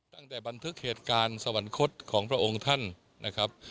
ตั้งแต่บันทึกเหตุการณ์สวรรคตของพระองค์ท่านนะครับ